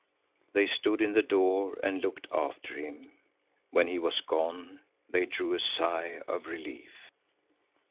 They stood in the door and looked after him. When he was gone, they drew a sigh of relief.